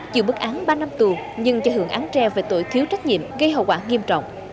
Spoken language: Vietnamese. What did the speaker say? chịu bức án ba năm tù nhưng cho hưởng án treo về tội thiếu trách nhiệm gây hậu quả nghiêm trọng